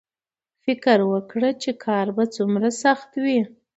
فکر وکړه چې کار به څومره سخت وي